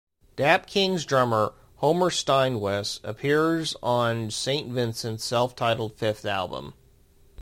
Dap-Kings drummer Homer Steinwess appears on Saint Vincent's self-titled fifth album.